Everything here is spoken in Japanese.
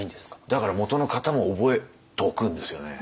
だからもとの型も覚えておくんですよね。